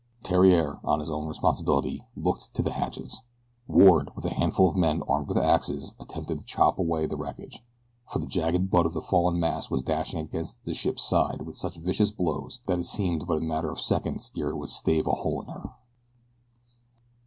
Theriere, on his own responsibility, looked to the hatches. Ward with a handful of men armed with axes attempted to chop away the wreckage, for the jagged butt of the fallen mast was dashing against the ship's side with such vicious blows that it seemed but a matter of seconds ere it would stave a hole in her.